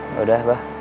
ya udah mbah